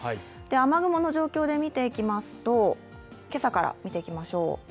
雨雲の状況で見ていきますと、今朝から見ていきましょう。